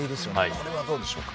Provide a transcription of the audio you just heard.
これはどうでしょうか。